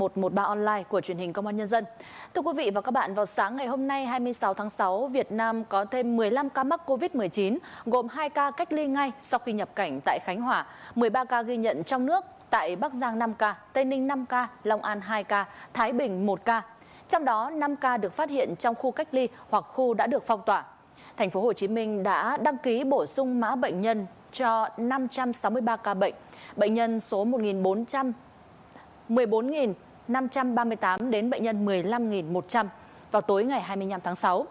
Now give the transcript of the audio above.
hồ chí minh đã đăng ký bổ sung mã bệnh nhân cho năm trăm sáu mươi ba ca bệnh bệnh nhân số một bốn trăm một mươi bốn năm trăm ba mươi tám đến bệnh nhân một mươi năm một trăm linh vào tối ngày hai mươi năm tháng sáu